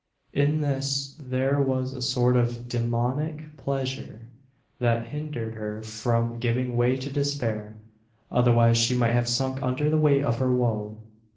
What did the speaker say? In this there was a sort of demoniac pleasure, that hindered her from giving way to despair; otherwise she might have sunk under the weight of her woe.